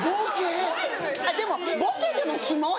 でもボケでもキモい！